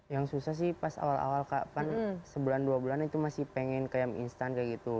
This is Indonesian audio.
yang susah sih pas awal awal kapan sebulan dua bulan itu masih pengen kayak mi instan kayak gitu